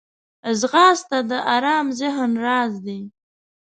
ځغاسته د ارام ذهن راز دی